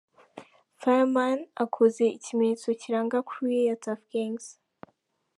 Fireman akoze ikimenyetso kiranga crew ye ya Tuff Gangs.